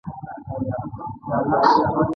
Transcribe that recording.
کسبګرو وسایل پرمختللي او ښه کړل.